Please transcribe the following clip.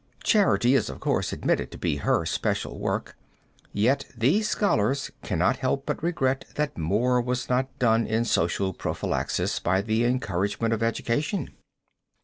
Charity is of course admitted to be her special work, yet these scholars cannot help but regret that more was not done in social prophylaxis by the encouragement of education.